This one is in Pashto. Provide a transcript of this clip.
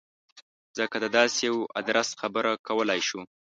څنګه د داسې یوه ادرس خبره کولای شو.